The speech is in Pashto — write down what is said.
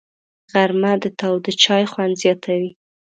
غرمه د تاوده چای خوند زیاتوي